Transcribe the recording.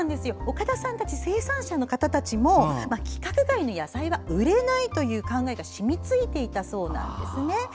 岡田さんたち生産者の方たちも規格外の野菜は売れないという考えが染みついていたそうですね。